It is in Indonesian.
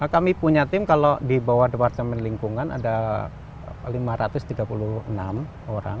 kami punya tim kalau di bawah departemen lingkungan ada lima ratus tiga puluh enam orang